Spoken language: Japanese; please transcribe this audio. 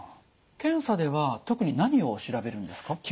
検査では特に何を調べるんですか？